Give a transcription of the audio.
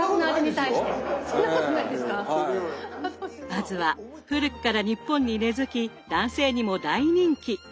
まずは古くから日本に根づき男性にも大人気！